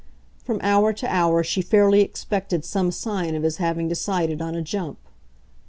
From hour to hour she fairly expected some sign of his having decided on a jump.